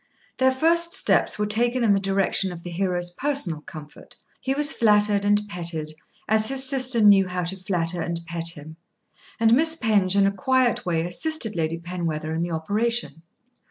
The first steps taken were in the direction of the hero's personal comfort. He was flattered and petted, as his sister knew how to flatter and pet him; and Miss Penge in a quiet way assisted Lady Penwether in the operation.